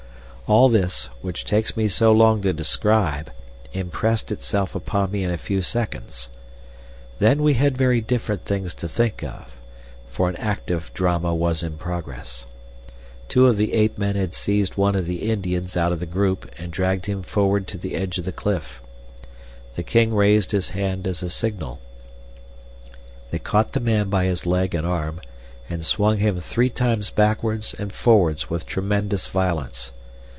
All this, which takes me so long to describe, impressed itself upon me in a few seconds. Then we had very different things to think of, for an active drama was in progress. Two of the ape men had seized one of the Indians out of the group and dragged him forward to the edge of the cliff. The king raised his hand as a signal. They caught the man by his leg and arm, and swung him three times backwards and forwards with tremendous violence.